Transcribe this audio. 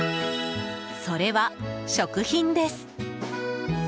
それは食品です。